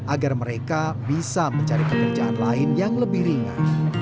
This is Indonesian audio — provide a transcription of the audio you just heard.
agar mereka bisa mencari pekerjaan lain yang lebih ringan